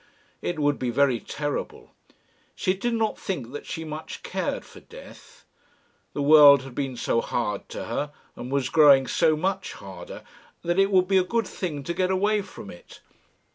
It would be very terrible. She did not think that she much cared for death. The world had been so hard to her, and was growing so much harder, that it would be a good thing to get away from it.